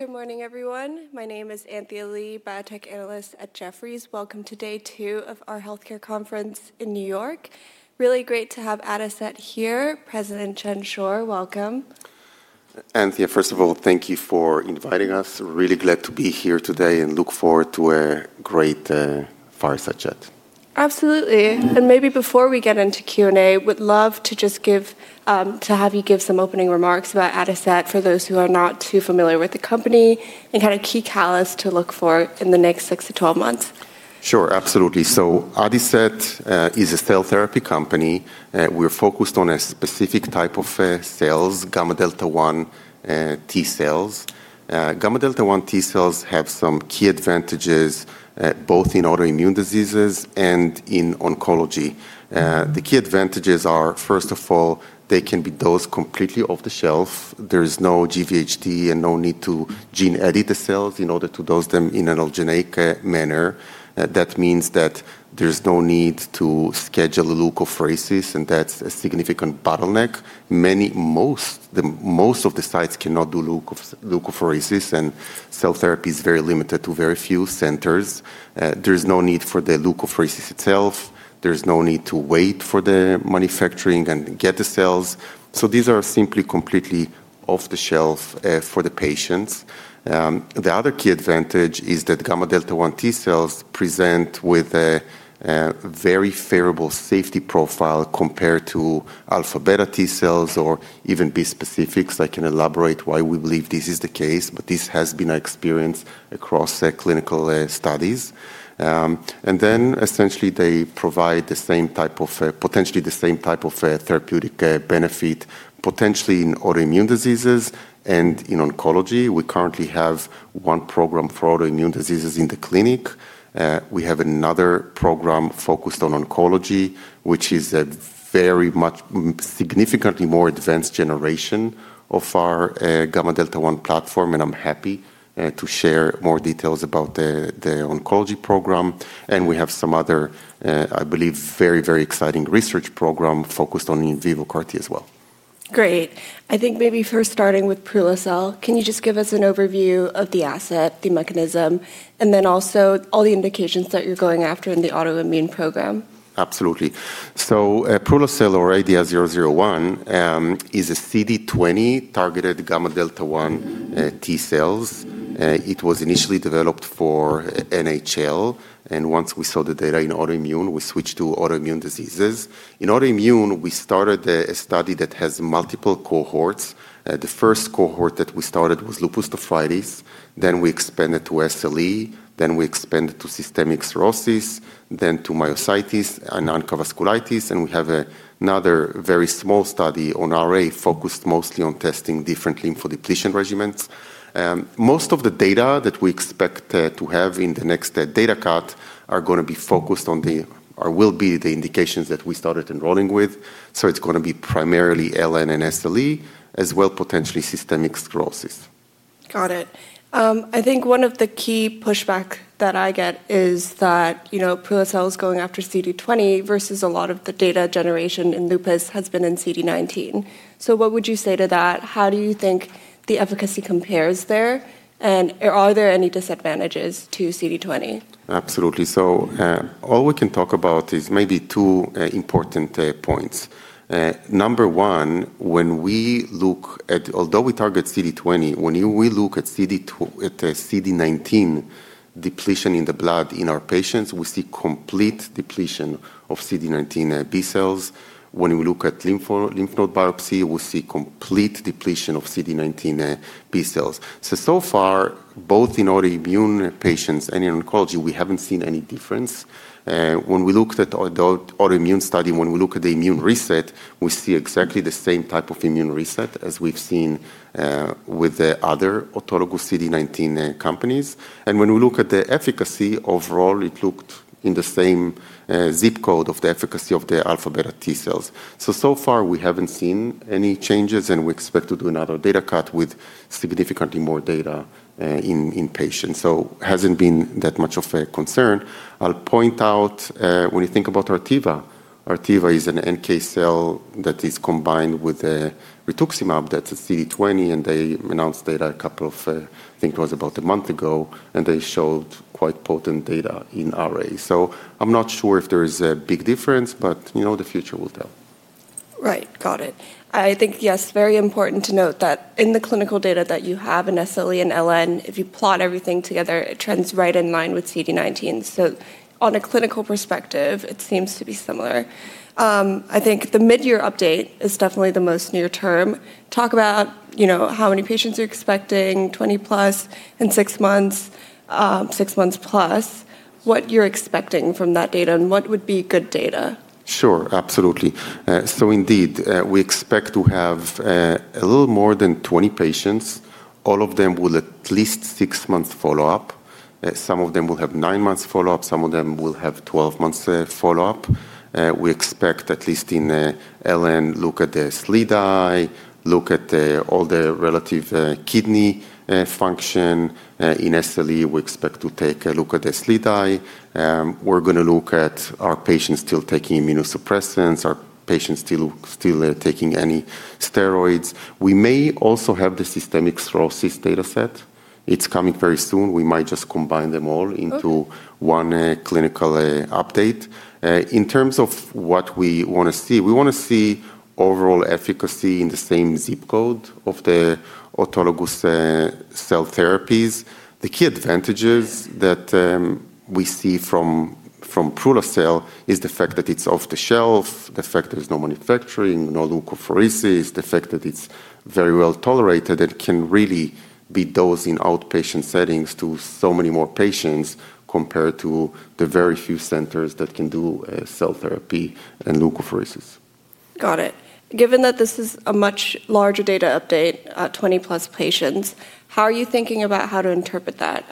Good morning, everyone. My name is Anthea Li, biotech analyst at Jefferies. Welcome to day two of our healthcare conference in New York. Really great to have Adicet here. President Chen Schor, welcome. Anthea, first of all, thank you for inviting us. Really glad to be here today and look forward to a great fireside chat. Absolutely. Maybe before we get into Q&A, would love to have you give some opening remarks about Adicet for those who are not too familiar with the company, and kind of key catalyst to look for in the next six-12 months. Sure, absolutely. Adicet is a cell therapy company. We're focused on a specific type of cells, gamma delta 1 T cells. Gamma delta 1 T cells have some key advantages, both in autoimmune diseases and in oncology. The key advantages are, first of all, they can be dosed completely off the shelf. There's no GVHD and no need to gene edit the cells in order to dose them in an allogeneic manner. That means that there's no need to schedule leukapheresis, and that's a significant bottleneck. Most of the sites cannot do leukapheresis, and cell therapy is very limited to very few centers. There's no need for the leukapheresis itself. There's no need to wait for the manufacturing and get the cells. These are simply completely off the shelf for the patients. The other key advantage is that gamma delta 1 T cells present with a very favorable safety profile compared to alpha beta T cells or even bispecifics. I can elaborate why we believe this is the case, but this has been our experience across clinical studies. Essentially, they provide potentially the same type of therapeutic benefit, potentially in autoimmune diseases and in oncology. We currently have one program for autoimmune diseases in the clinic. We have another program focused on oncology, which is a very much significantly more advanced generation of our gamma delta one platform, I'm happy to share more details about the oncology program. We have some other, I believe, very exciting research program focused on in vivo CAR T as well. Great. I think maybe first starting with prula-cel, can you just give us an overview of the asset, the mechanism, also all the indications that you're going after in the autoimmune program? Absolutely. prula-cel or ADI-001, is a CD20 targeted gamma delta 1 T cells. It was initially developed for NHL, and once we saw the data in autoimmune, we switched to autoimmune diseases. In autoimmune, we started a study that has multiple cohorts. The first cohort that we started was lupus nephritis, then we expanded to SLE, then we expanded to systemic sclerosis, then to myositis and ANCA vasculitis, and we have another very small study on RA focused mostly on testing different lymphodepletion regimens. Most of the data that we expect to have in the next data cut are going to be focused on the, or will be the indications that we started enrolling with. It's going to be primarily LN and SLE, as well potentially systemic sclerosis. Got it. I think one of the key pushback that I get is that prula-cel is going after CD20 versus a lot of the data generation in lupus has been in CD19. What would you say to that? How do you think the efficacy compares there? Are there any disadvantages to CD20? Absolutely. All we can talk about is maybe two important points. Number one, although we target CD20, when we look at CD19 depletion in the blood in our patients, we see complete depletion of CD19 B cells. When we look at lymph node biopsy, we see complete depletion of CD19 B cells. So far, both in autoimmune patients and in oncology, we haven't seen any difference. When we looked at adult autoimmune study, when we look at the immune reset, we see exactly the same type of immune reset as we've seen with the other autologous CD19 companies. When we look at the efficacy overall, it looked in the same ZIP code of the efficacy of the alpha beta T cells. So far, we haven't seen any changes, and we expect to do another data cut with significantly more data in patients. It hasn't been that much of a concern. I'll point out, when you think about Artiva. Artiva is an NK cell that is combined with rituximab. That's a CD20, and they announced data a couple of, I think it was about a month ago, and they showed quite potent data in RA. I'm not sure if there is a big difference, but the future will tell. Right. Got it. I think, yes, very important to note that in the clinical data that you have in SLE and LN, if you plot everything together, it trends right in line with CD19. On a clinical perspective, it seems to be similar. I think the mid-year update is definitely the most near term. Talk about how many patients you're expecting, 20+ in six months, six months plus, what you're expecting from that data, and what would be good data? Sure, absolutely. Indeed, we expect to have a little more than 20 patients. All of them with at least six-month follow-up. Some of them will have nine months follow-up, some of them will have 12 months follow-up. We expect at least in LN, look at the SLEDAI, look at all the relative kidney function. In SLE, we expect to take a look at the SLEDAI. We are going to look at are patients still taking immunosuppressants, are patients still taking any steroids. We may also have the systemic sclerosis data set. It is coming very soon. We might just combine them all into one clinical update. In terms of what we want to see, we want to see overall efficacy in the same zip code of the autologous cell therapies. The key advantages that we see from prula-cel is the fact that it's off the shelf, the fact there is no manufacturing, no leukapheresis, the fact that it's very well tolerated, and it can really be dosed in outpatient settings to so many more patients compared to the very few centers that can do cell therapy and leukapheresis. Got it. Given that this is a much larger data update, 20-plus patients, how are you thinking about how to interpret that?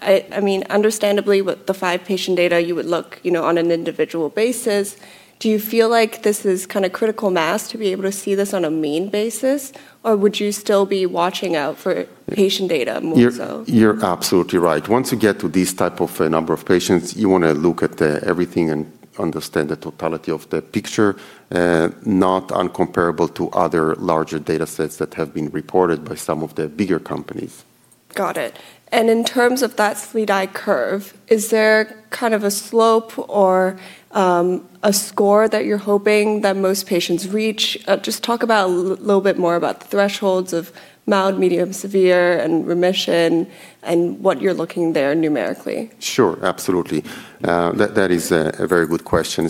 Understandably, with the five-patient data, you would look on an individual basis. Do you feel like this is critical mass to be able to see this on a mean basis? Or would you still be watching out for patient data more so? You're absolutely right. Once you get to this type of number of patients, you want to look at everything and understand the totality of the picture, not incomparable to other larger data sets that have been reported by some of the bigger companies. Got it. In terms of that SLEDAI curve, is there a slope or a score that you're hoping that most patients reach? Just talk a little bit more about the thresholds of mild, medium, severe, and remission, and what you're looking there numerically. Sure, absolutely. That is a very good question.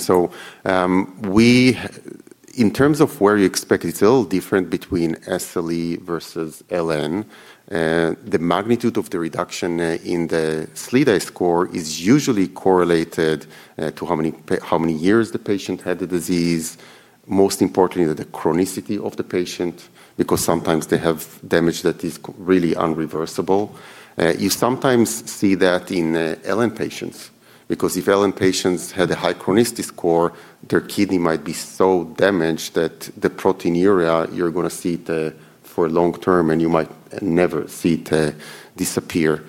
In terms of where you expect, it's a little different between SLE versus LN. The magnitude of the reduction in the SLEDAI score is usually correlated to how many years the patient had the disease, most importantly, the chronicity of the patient, because sometimes they have damage that is really irreversible. You sometimes see that in LN patients. If LN patients had a high chronicity score, their kidney might be so damaged that the proteinuria you're going to see for long-term, and you might never see it disappear.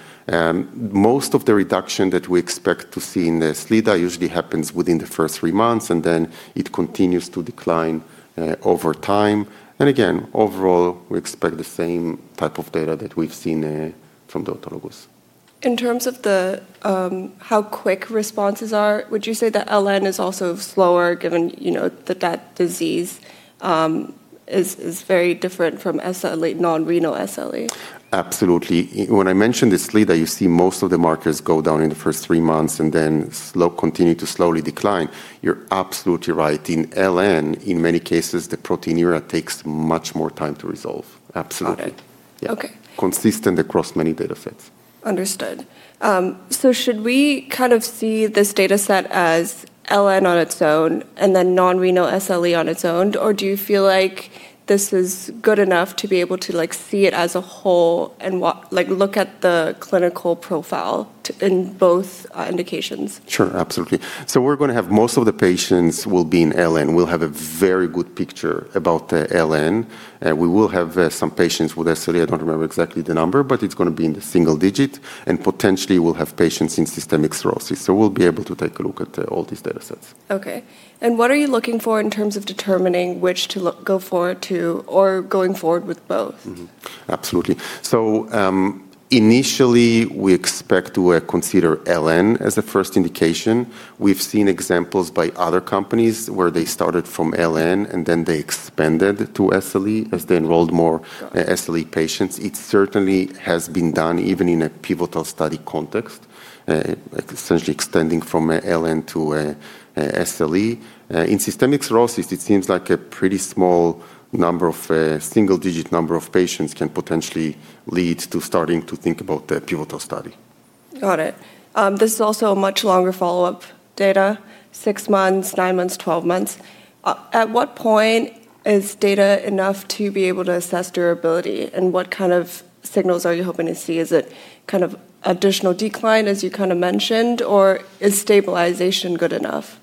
Most of the reduction that we expect to see in the SLEDAI usually happens within the first three months, and then it continues to decline over time. Again, overall, we expect the same type of data that we've seen from the autologous. In terms of how quick responses are, would you say that LN is also slower given that that disease is very different from non-renal SLE? Absolutely. When I mentioned the SLEDAI, you see most of the markers go down in the first three months and then continue to slowly decline. You're absolutely right. In LN, in many cases, the proteinuria takes much more time to resolve. Absolutely. Got it. Okay. Yeah. Consistent across many data sets. Understood. Should we see this data set as LN on its own and then non-renal SLE on its own? Do you feel like this is good enough to be able to see it as a whole and look at the clinical profile in both indications? Sure, absolutely. We're going to have most of the patients will be in LN. We'll have a very good picture about the LN. We will have some patients with SLE. I don't remember exactly the number, but it's going to be in the single digit, and potentially we'll have patients in systemic sclerosis. We'll be able to take a look at all these data sets. Okay. What are you looking for in terms of determining which to go forward to or going forward with both? Absolutely. Initially, we expect to consider LN as a first indication. We've seen examples by other companies where they started from LN and then they expanded to SLE as they enrolled more SLE patients. It certainly has been done even in a pivotal study context, essentially extending from LN to SLE. In systemic sclerosis, it seems like a pretty small single-digit number of patients can potentially lead to starting to think about the pivotal study. Got it. This is also a much longer follow-up data, six months, nine months, 12 months. At what point is data enough to be able to assess durability, and what kind of signals are you hoping to see? Is it additional decline, as you kind of mentioned, or is stabilization good enough?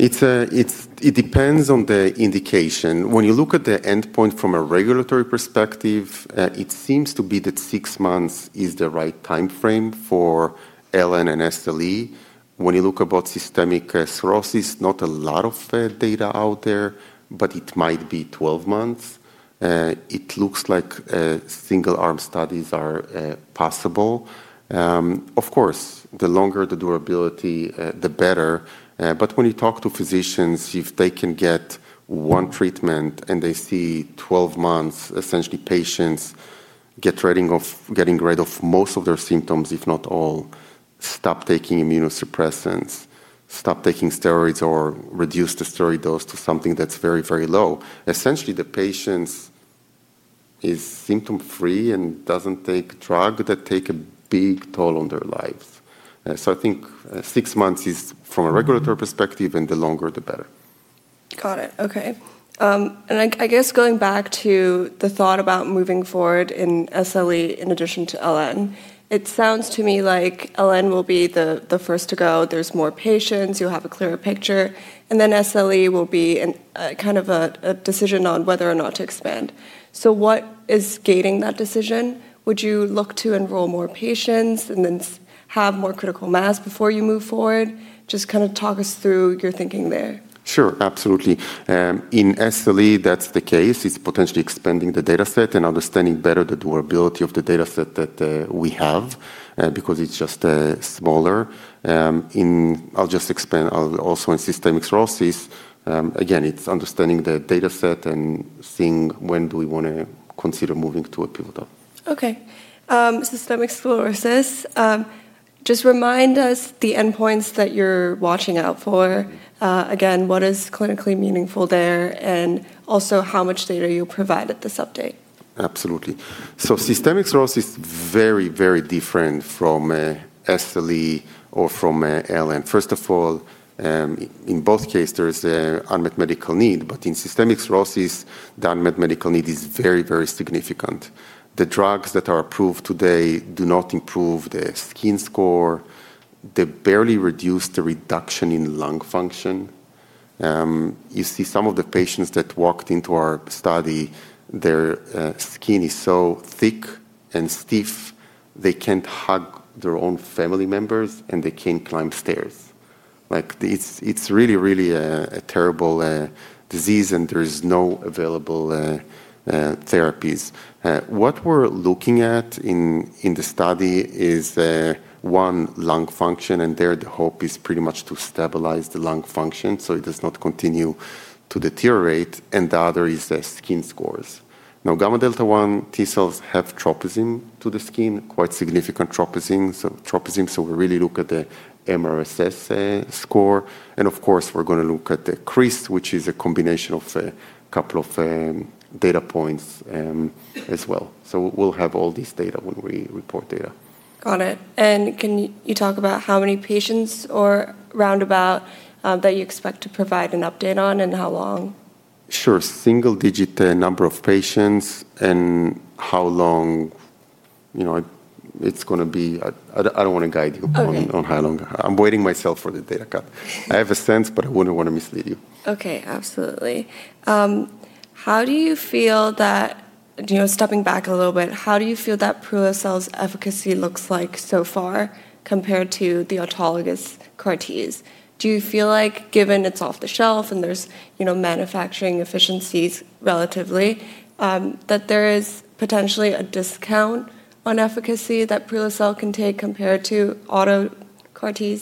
It depends on the indication. When you look at the endpoint from a regulatory perspective, it seems to be that six months is the right timeframe for LN and SLE. When you look about systemic sclerosis, not a lot of data out there, but it might be 12 months. It looks like single-arm studies are possible. The longer the durability, the better. When you talk to physicians, if they can get one treatment and they see 12 months, essentially patients getting rid of most of their symptoms, if not all, stop taking immunosuppressants, stop taking steroids, or reduce the steroid dose to something that's very, very low. Essentially, the patient is symptom-free and doesn't take drug that take a big toll on their lives. I think six months is from a regulatory perspective, and the longer, the better. Got it. Okay. I guess going back to the thought about moving forward in SLE in addition to LN, it sounds to me like LN will be the first to go. There's more patients. You'll have a clearer picture. SLE will be a decision on whether or not to expand. What is gating that decision? Would you look to enroll more patients and then have more critical mass before you move forward? Just talk us through your thinking there. Sure. Absolutely. In SLE, that's the case. It's potentially expanding the data set and understanding better the durability of the data set that we have, because it's just smaller. I'll just expand, also in systemic sclerosis, again, it's understanding the data set and seeing when do we want to consider moving to a pivot. Okay. Systemic sclerosis, just remind us the endpoints that you're watching out for. What is clinically meaningful there, and also how much data you provide at this update. Absolutely. Systemic sclerosis is very, very different from SLE or from LN. First of all, in both cases, there is unmet medical need. In systemic sclerosis, the unmet medical need is very, very significant. The drugs that are approved today do not improve the skin score. They barely reduce the reduction in lung function. You see some of the patients that walked into our study, their skin is so thick and stiff they can't hug their own family members and they can't climb stairs. It's really a terrible disease, and there is no available therapies. What we're looking at in the study is, one, lung function, and there the hope is pretty much to stabilize the lung function so it does not continue to deteriorate. The other is the skin scores. Now gamma delta 1 T cells have tropism to the skin, quite significant tropism. We really look at the MRSS score. Of course, we're going to look at the CRISS, which is a combination of a couple of data points as well. We'll have all this data when we report data. Got it. Can you talk about how many patients, or roundabout, that you expect to provide an update on and how long? Sure. Single-digit number of patients. How long? It's going to be I don't want to guide you on how long. I'm waiting myself for the data cut. I have a sense, but I wouldn't want to mislead you. Okay. Absolutely. Stepping back a little bit, how do you feel that prula-cel's efficacy looks like so far compared to the autologous CAR T? Do you feel like, given it's off the shelf and there's manufacturing efficiencies relatively, that there is potentially a discount on efficacy that prula-cel can take compared to auto CAR T?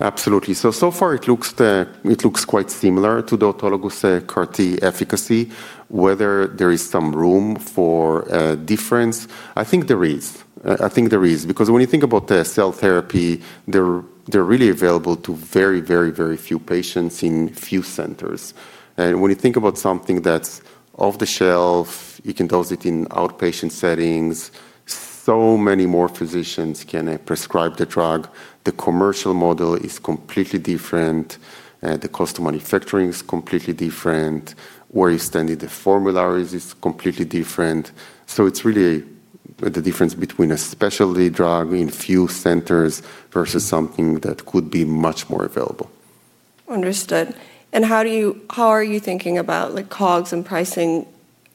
Absolutely. So far it looks quite similar to the autologous CAR T efficacy. Whether there is some room for difference, I think there is. I think there is. When you think about the cell therapy, they're really available to very few patients in few centers. When you think about something that's off the shelf, you can dose it in outpatient settings, so many more physicians can prescribe the drug. The commercial model is completely different. The cost of manufacturing is completely different. Where you stand in the formularies is completely different. It's really the difference between a specialty drug in few centers versus something that could be much more available. Understood. How are you thinking about COGS and pricing,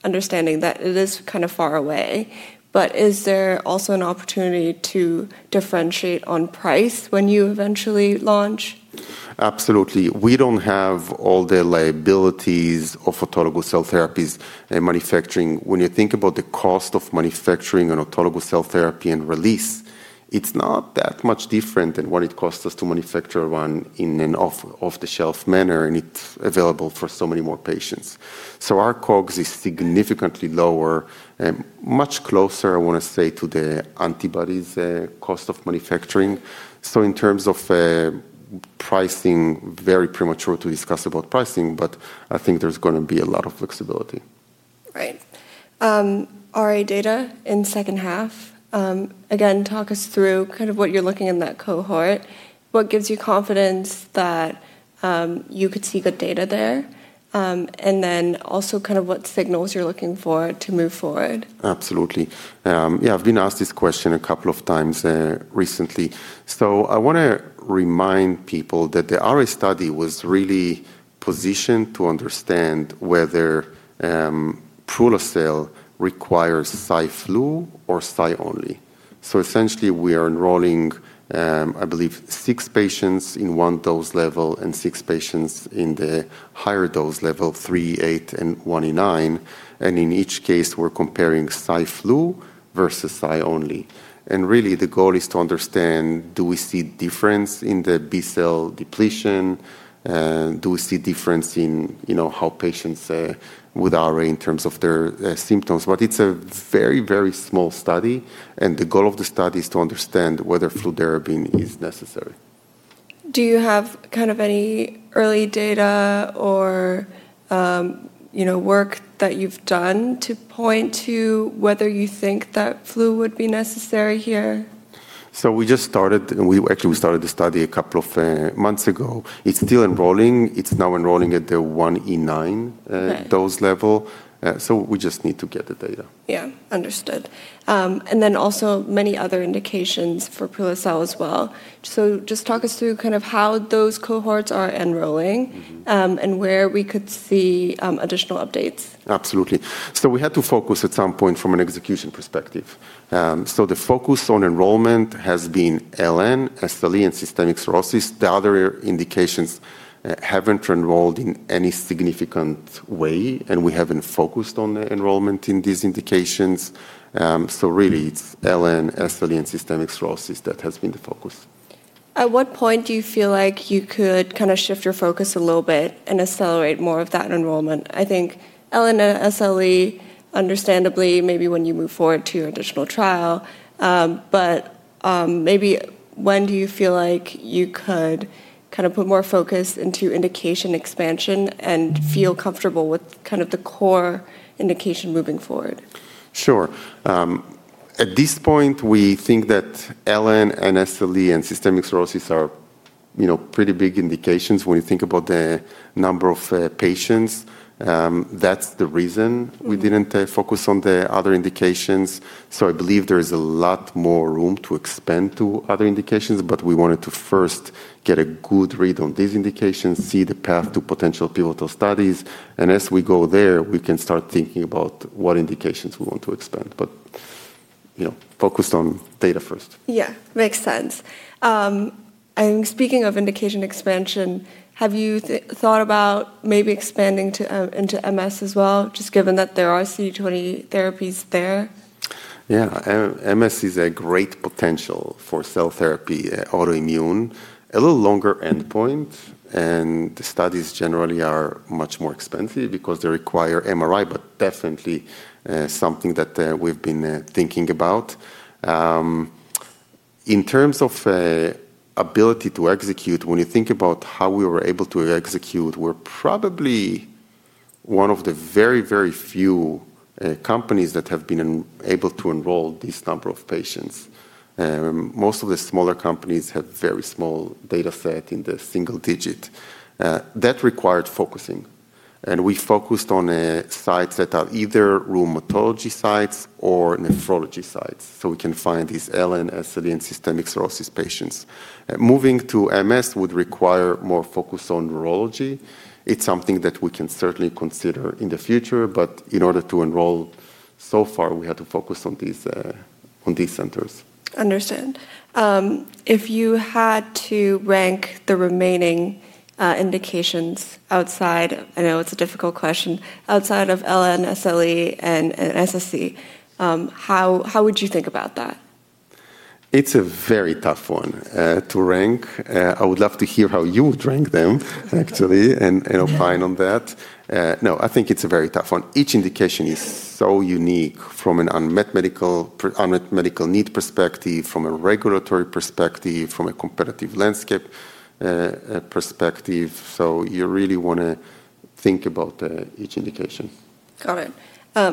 understanding that it is kind of far away, but is there also an opportunity to differentiate on price when you eventually launch? Absolutely. We don't have all the liabilities of autologous cell therapies and manufacturing. When you think about the cost of manufacturing an autologous cell therapy and release, it's not that much different than what it costs us to manufacture one in an off-the-shelf manner, and it's available for so many more patients. Our COGS is significantly lower and much closer, I want to say, to the antibodies cost of manufacturing. In terms of pricing, very premature to discuss about pricing, but I think there's going to be a lot of flexibility. Right. RA data in second half. Talk us through kind of what you're looking in that cohort. What gives you confidence that you could see good data there? Also kind of what signals you're looking for to move forward. Absolutely. Yeah, I've been asked this question a couple of times recently. I want to remind people that the RA study was really positioned to understand whether prula-cel requires Cy/Flu or Cy only. Essentially, we are enrolling, I believe six patients in one dose level and six patients in the higher dose level, 3e8 and 1x10^9. In each case, we're comparing Cy/Flu versus Cy only. Do we see difference in the B-cell depletion? Do we see difference in how patients with RA in terms of their symptoms? It's a very small study, and the goal of the study is to understand whether fludarabine is necessary. Do you have kind of any early data or work that you've done to point to whether you think that flu would be necessary here? We just started. Actually, we started the study a couple of months ago. It's still enrolling. It's now enrolling at the 1E9 dose level. We just need to get the data. Yeah. Understood. Also many other indications for prula-cel as well. Just talk us through kind of how those cohorts are enrolling? Where we could see additional updates. Absolutely. We had to focus at some point from an execution perspective. The focus on enrollment has been LN, SLE, and systemic sclerosis. The other indications haven't enrolled in any significant way, and we haven't focused on enrollment in these indications. Really it's LN, SLE, and systemic sclerosis that has been the focus. At what point do you feel like you could kind of shift your focus a little bit and accelerate more of that enrollment? I think LN, SLE, understandably, maybe when you move forward to your additional trial, but maybe when do you feel like you could put more focus into indication expansion and feel comfortable with kind of the core indication moving forward? Sure. At this point, we think that LN and SLE and systemic sclerosis are pretty big indications when you think about the number of patients. That's the reason we didn't focus on the other indications. I believe there is a lot more room to expand to other indications, but we wanted to first get a good read on these indications, see the path to potential pivotal studies. As we go there, we can start thinking about what indications we want to expand. Focused on data first. Yeah. Makes sense. Speaking of indication expansion, have you thought about maybe expanding into MS as well, just given that there are CD20 therapies there? Yeah. MS is a great potential for cell therapy, autoimmune. A little longer endpoint, and the studies generally are much more expensive because they require MRI, but definitely something that we've been thinking about. In terms of ability to execute, when you think about how we were able to execute, we're probably one of the very, very few companies that have been able to enroll this number of patients. Most of the smaller companies have very small data set in the single digit. That required focusing, and we focused on sites that are either rheumatology sites or nephrology sites so we can find these LN, SLE, and systemic sclerosis patients. Moving to MS would require more focus on neurology. It's something that we can certainly consider in the future, but in order to enroll so far, we had to focus on these centers. Understand. If you had to rank the remaining indications outside, I know it's a difficult question, outside of LN, SLE, and SSc, how would you think about that? It's a very tough one to rank. I would love to hear how you would rank them, actually, and opine on that. No, I think it's a very tough one. Each indication is so unique from an unmet medical need perspective, from a regulatory perspective, from a competitive landscape perspective. You really want to think about each indication. Got it.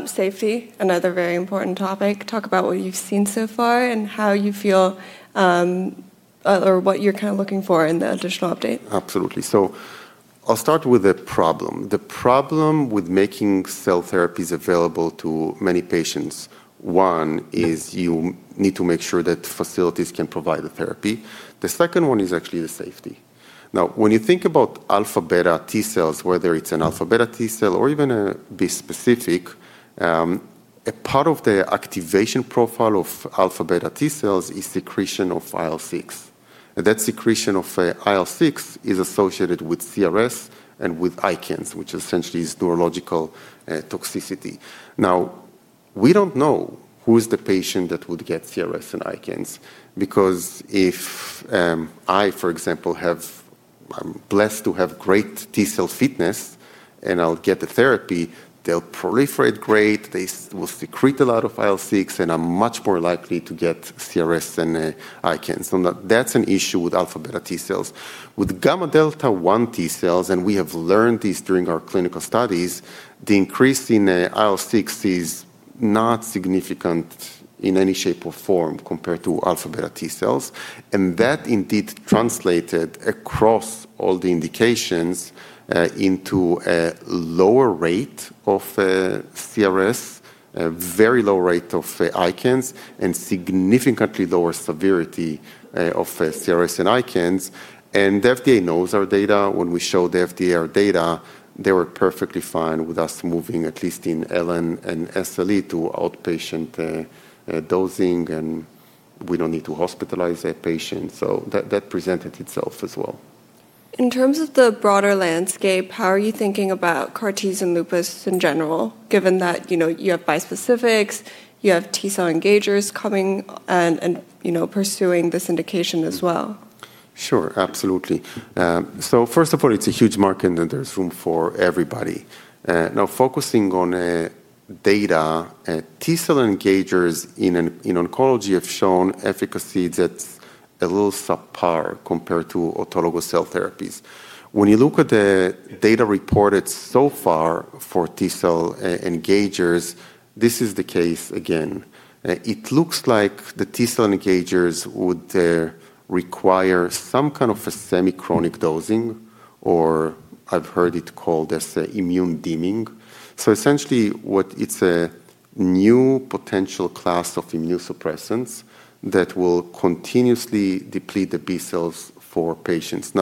Safety, another very important topic. Talk about what you've seen so far and how you feel or what you're kind of looking for in the additional update? Absolutely. I'll start with a problem. The problem with making cell therapies available to many patients, one is you need to make sure that facilities can provide the therapy. The second one is actually the safety. When you think about alpha beta T cells, whether it's an alpha beta T cell or even a bispecific, a part of the activation profile of alpha beta T cells is secretion of IL-6. That secretion of IL-6 is associated with CRS and with ICANS, which essentially is neurological toxicity. We don't know who is the patient that would get CRS and ICANS because if I, for example, I'm blessed to have great T cell fitness and I'll get the therapy, they'll proliferate great, they will secrete a lot of IL-6, and I'm much more likely to get CRS than ICANS. That's an issue with alpha beta T cells. With gamma delta 1 T cells, and we have learned this during our clinical studies, the increase in IL-6 is not significant in any shape or form compared to alpha beta T cells. That indeed translated across all the indications into a lower rate of CRS, a very low rate of ICANS, and significantly lower severity of CRS and ICANS. The FDA knows our data. When we showed the FDA our data, they were perfectly fine with us moving, at least in LN and SLE, to outpatient dosing, and we don't need to hospitalize a patient. That presented itself as well. In terms of the broader landscape, how are you thinking about CAR Ts and lupus in general, given that you have bispecifics, you have T cell engagers coming and pursuing this indication as well? Sure. Absolutely. First of all, it's a huge market, and there's room for everybody. Focusing on data, T cell engagers in oncology have shown efficacy that's a little subpar compared to autologous cell therapies. When you look at the data reported so far for T cell engagers, this is the case again. It looks like the T cell engagers would require some kind of a semi-chronic dosing, or I've heard it called as immune dimming. Essentially what it's a new potential class of immunosuppressants that will continuously deplete the B cells for patients.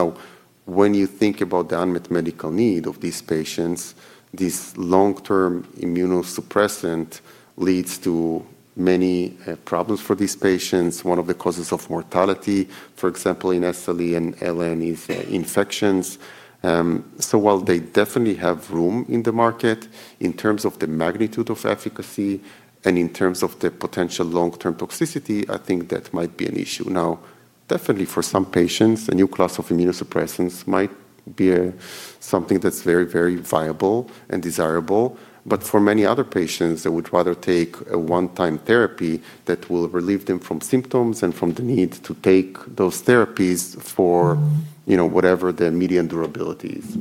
When you think about the unmet medical need of these patients, this long-term immunosuppressant leads to many problems for these patients. One of the causes of mortality, for example, in SLE and LN is infections. While they definitely have room in the market in terms of the magnitude of efficacy and in terms of the potential long-term toxicity, I think that might be an issue. Definitely for some patients, a new class of immunosuppressants might be something that's very, very viable and desirable. For many other patients, they would rather take a one-time therapy that will relieve them from symptoms and from the need to take those therapies for whatever their median durability is.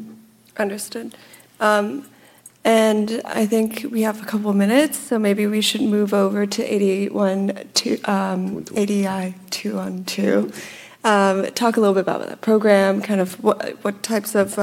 Understood. I think we have a couple of minutes, so maybe we should move over to ADI-212. Talk a little bit about that program, what types of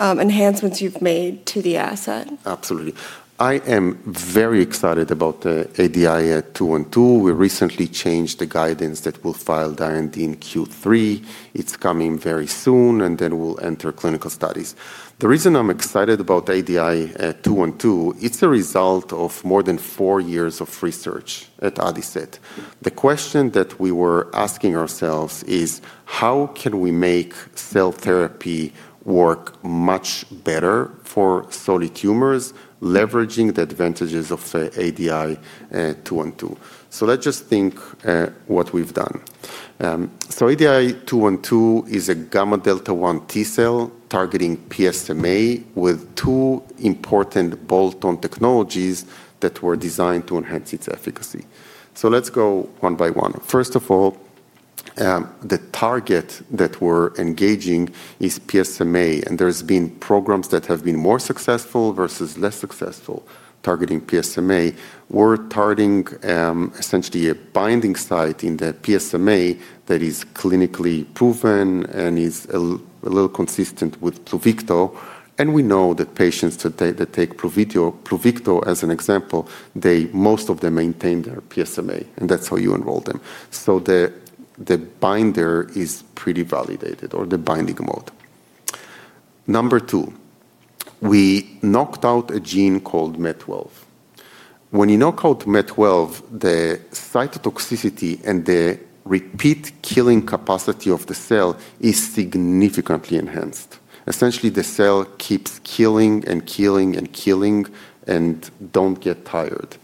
enhancements you've made to the asset. Absolutely. I am very excited about the ADI-212. We recently changed the guidance that we'll file the IND in Q3. It's coming very soon, we'll enter clinical studies. The reason I'm excited about ADI-212, it's a result of more than four years of research at Adicet. The question that we were asking ourselves is, how can we make cell therapy work much better for solid tumors, leveraging the advantages of ADI-212? Let's just think what we've done. ADI-212 is a gamma delta T cell targeting PSMA with two important bolt-on technologies that were designed to enhance its efficacy. Let's go one by one. First of all, the target that we're engaging is PSMA, and there's been programs that have been more successful versus less successful targeting PSMA. We're targeting essentially a binding site in the PSMA that is clinically proven and is a little consistent with Pluvicto. We know that patients that take Pluvicto, as an example, most of them maintain their PSMA, and that's how you enroll them. The binder is pretty validated or the binding mode. Number two, we knocked out a gene called MED12. When you knock out MED12, the cytotoxicity and the repeat killing capacity of the cell is significantly enhanced. Essentially, the cell keeps killing and killing and killing and don't get tired.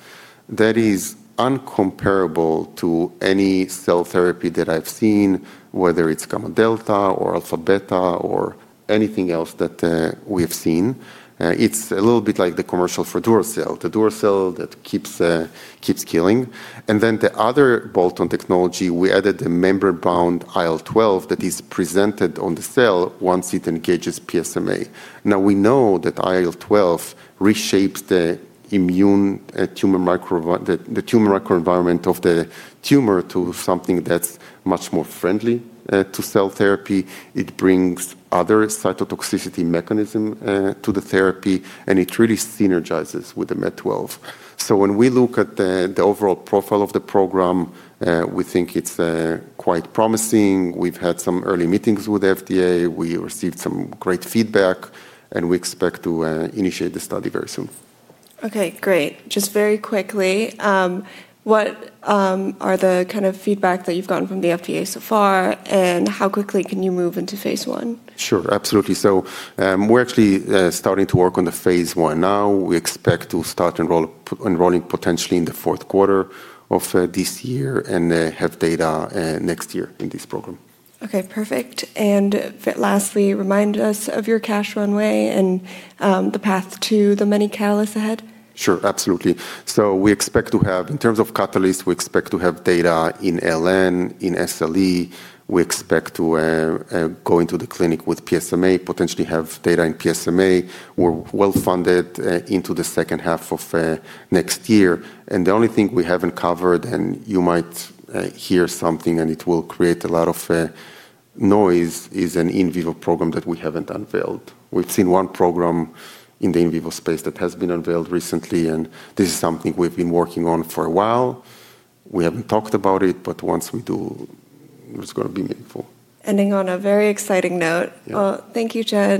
That is incomparable to any cell therapy that I've seen, whether it's gamma delta or alpha beta or anything else that we have seen. It's a little bit like the commercial for Duracell, the Duracell that keeps killing. The other bolt-on technology, we added a membrane-bound IL-12 that is presented on the cell once it engages PSMA. We know that IL-12 reshapes the tumor microenvironment of the tumor to something that's much more friendly to cell therapy. It brings other cytotoxicity mechanism to the therapy, and it really synergizes with the MED12. When we look at the overall profile of the program, we think it's quite promising. We've had some early meetings with FDA. We received some great feedback, and we expect to initiate the study very soon. Okay, great. Just very quickly, what are the kind of feedback that you've gotten from the FDA so far, how quickly can you move into phase I? Sure, absolutely. We're actually starting to work on the phase I now. We expect to start enrolling potentially in the fourth quarter of this year and have data next year in this program. Okay, perfect. Lastly, remind us of your cash runway and the path to the many catalysts ahead. Sure, absolutely. In terms of catalysts, we expect to have data in LN, in SLE. We expect to go into the clinic with PSMA, potentially have data in PSMA. We're well-funded into the second half of next year. The only thing we haven't covered, and you might hear something and it will create a lot of noise, is an in vivo program that we haven't unveiled. We've seen one program in the in vivo space that has been unveiled recently, and this is something we've been working on for a while. We haven't talked about it, once we do, it's going to be meaningful. Ending on a very exciting note. Thank you, Chen.